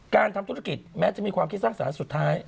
การทำธุรกิจแม้จะมีความคิดสร้างสารสุดท้าย